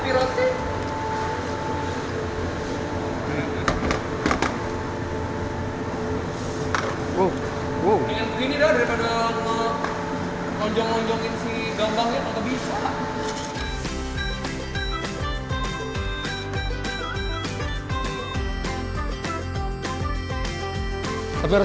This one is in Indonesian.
tapi harus nunggu agak dingin sedikit ya bang ya